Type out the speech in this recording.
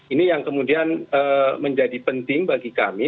ini yang kemudian menjadi penting bagi kami